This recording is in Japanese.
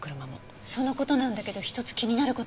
その事なんだけど一つ気になる事があるの。